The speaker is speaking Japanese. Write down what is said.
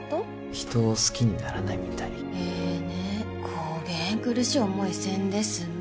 人を好きにならないみたいええねこげん苦しい思いせんで済む・